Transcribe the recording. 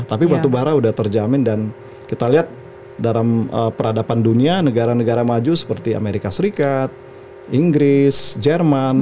tapi batubara sudah terjamin dan kita lihat dalam peradaban dunia negara negara maju seperti amerika serikat inggris jerman